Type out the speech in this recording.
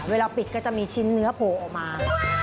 เวลาปิดก็จะมีชิ้นเนื้อโผล่ออกมา